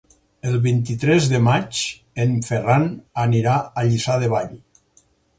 El vint-i-tres de maig en Ferran anirà a Lliçà de Vall.